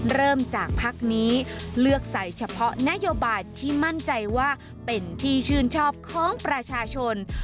เริ่มจากพักนี้เลือกใส่เฉพาะนโยบายที่มั่นใจว่าเป็นที่ชื่นชอบของประชาชน